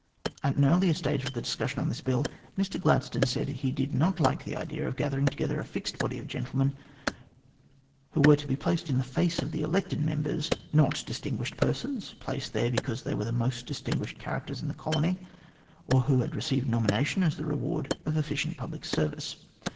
At an earlier stage of the discussion on this Bill, Mi Gladstone said he did not like the idea of gathering together a fixed body of gentlemen, who were to be placed in the face of the elected members not distinguished persons placed there because they were the most distinguished characters in the colony, or who had received nomination as the reward of efficient public service.